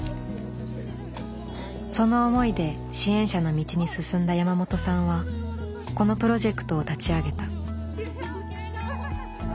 その思いで支援者の道に進んだ山本さんはこのプロジェクトを立ち上げた。